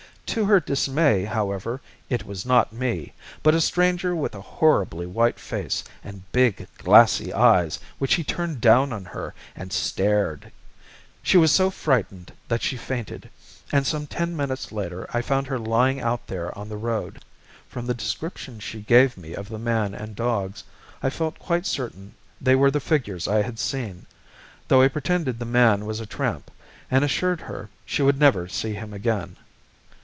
To her dismay, however, it was not me, but a stranger with a horribly white face and big glassy eyes which he turned down at her and stared. She was so frightened that she fainted, and some ten minutes later I found her lying out there on the road. From the description she gave me of the man and dogs, I felt quite certain they were the figures I had seen; though I pretended the man was a tramp, and assured her she would never see him again.